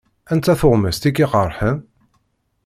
Anta tuɣmest i k-iqeṛḥen?